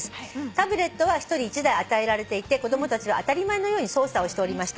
タブレットは１人１台与えられていて子供たちは当たり前のように操作をしておりました」